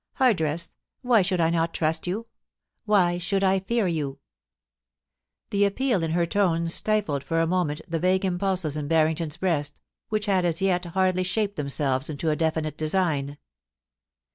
Hardress, why should I not trust you — why should I fear you ?" The appeal in her tone stifled for a moment the vague impulses in Harrington's breast, which had as yet hardly shaped themselves into a definite design.